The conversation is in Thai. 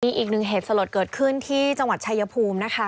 อีกหนึ่งเหตุสลดเกิดขึ้นที่จังหวัดชายภูมินะคะ